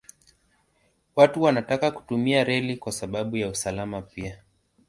Watu wanataka kutumia reli kwa sababu ya usalama pia.